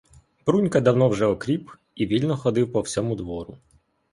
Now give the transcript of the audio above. Брунька давно вже окріп і вільно ходив по всьому двору.